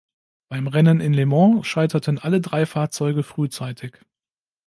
Beim Rennen in Le Mans scheiterten alle drei Fahrzeuge frühzeitig.